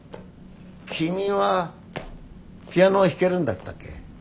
君はピアノは弾けるんだったっけ？